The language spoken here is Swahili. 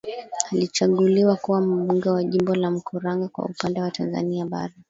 Alichaguliwa kuwa mbunge wa jimbo la Mkuranga kwa upande wa Tanzania bara